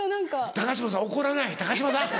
高嶋さん怒らない高嶋さん。